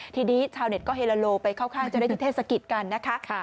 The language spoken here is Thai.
ทีนี้ชาวเน็ตก็เฮโลไปเข้าข้างเจ้าหน้าที่เทศกิจกันนะคะ